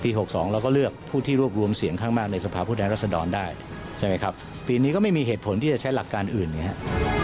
๖๒เราก็เลือกผู้ที่รวบรวมเสียงข้างมากในสภาพผู้แทนรัศดรได้ใช่ไหมครับปีนี้ก็ไม่มีเหตุผลที่จะใช้หลักการอื่นเนี่ยครับ